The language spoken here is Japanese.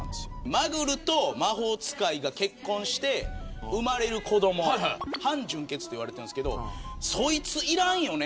マグルと魔法使いが結婚して生まれる子ども半純血というんですけどそいついらんよね。